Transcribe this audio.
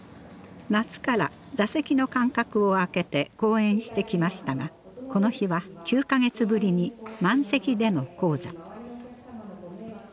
夏から座席の間隔を空けて公演してきましたがこの日は９か月ぶりに満席での高座。